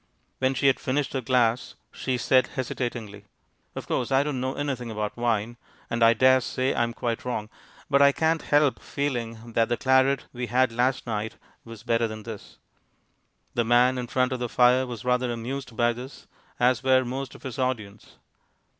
When she had finished her glass, she said hesitatingly, "Of course, I don't know anything about wine, and I dare say I'm quite wrong, but I can't help feeling that the claret we had last night was better than this." The man in front of the fire was rather amused by this, as were most of his audience.